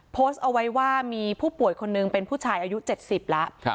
โพสต์เอาไว้ว่ามีผู้ป่วยคนนึงเป็นผู้ชายอายุ๗๐แล้ว